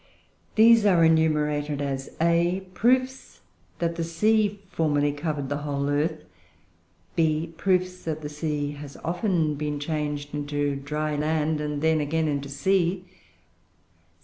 These are enumerated as: A. Proofs that the sea formerly covered the whole earth. B. Proofs that the sea has often been changed into dry land and then again into sea.